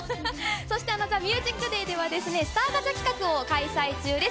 そしてＴＨＥＭＵＳＩＣＤＡＹでは、スターガチャ企画を開催中です。